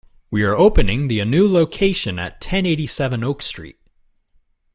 We are opening the a new location at ten eighty-seven Oak Street.